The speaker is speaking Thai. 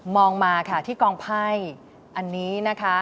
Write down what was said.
มองมาที่กล่องไพ่อันนี้